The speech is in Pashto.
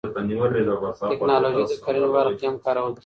تکنالوژي د کرنې په برخه کې هم کارول کیږي.